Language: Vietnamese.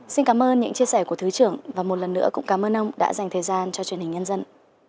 xin cảm ơn những chia sẻ của thứ trưởng và một lần nữa cũng cảm ơn ông đã dành thời gian cho truyền hình nhân dân